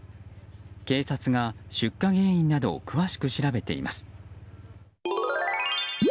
警察が出火原因などを詳しく調べています。